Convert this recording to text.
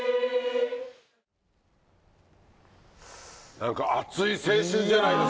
なんか熱い青春じゃないです